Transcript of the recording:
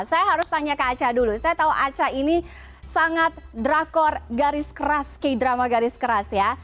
saya harus tanya ke aca dulu saya tahu aca ini sangat drakor garis keras k drama garis keras ya